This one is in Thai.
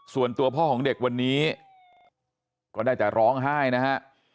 ส่วนตัวพ่อของเด็กวันนี้ก็ได้แต่ร้องไห้นะฮะ